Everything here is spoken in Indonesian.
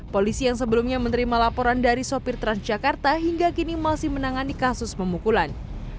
polisi yang sebelumnya menerima laporan dari sopir transjakarta hingga kini masih menangani kasus pemukulan